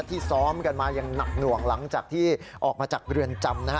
ซ้อมกันมาอย่างหนักหน่วงหลังจากที่ออกมาจากเรือนจำนะฮะ